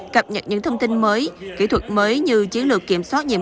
cập nhật những thông tin mới kỹ thuật mới như chiến lược kiểm soát nhiễm